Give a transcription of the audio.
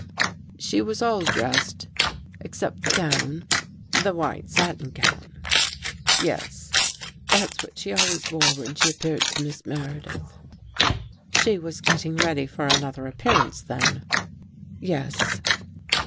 She was all dressed except the gown." The white satin gown? "" Yes. That's what she always wore when she appeared to Miss Meredith." '' She was getting ready for another appearance then?" " Yes."